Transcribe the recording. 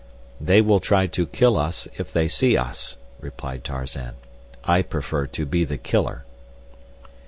"They will try to kill us if they see us," replied Tarzan. "I prefer to be the killer."